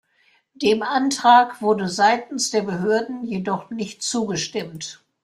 Dem Antrag wurde seitens der Behörden jedoch nicht zugestimmt.